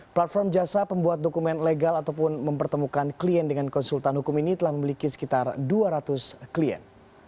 platform jasa pembuat dokumen legal ataupun mempertemukan klien dengan konsultan hukum ini telah memiliki sekitar dua ratus klien